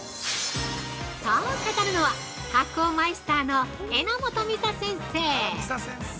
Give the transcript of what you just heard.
◆そう語るのは、発酵マイスターの榎本美沙先生。